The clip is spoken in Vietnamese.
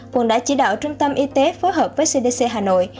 quận đã chỉ đạo trung tâm y tế phối hợp với cdc hà nội